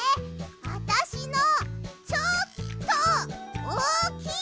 あたしのちょっとおおきい！